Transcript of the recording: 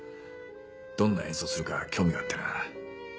どんな演奏するか興味があってな。